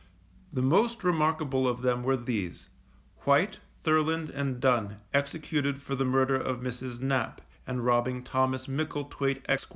The most remarkable of them were these: White, Thurland, and Dunn, executed for the murder of Mrs. Knap, and robbing Thomas Mickletwait, Esq.